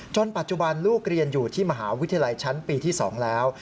ปัจจุบันลูกเรียนอยู่ที่มหาวิทยาลัยชั้นปีที่๒แล้ว